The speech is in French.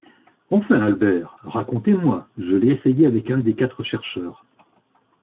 enfin Albert? Racontez-moi! Je l’ai essayé avec un des quatre chercheurs